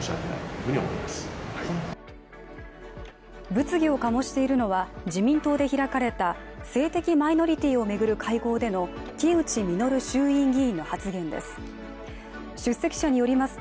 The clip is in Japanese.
物議を醸しているのは、自民党で開かれた性的マイノリティーを巡る会合での城内実衆院議員の発言です。